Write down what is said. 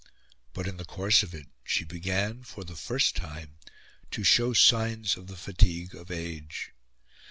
But, in the course of it, she began, for the first time, to show signs of the fatigue of age.